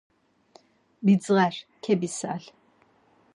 Bidzğer, kebisel.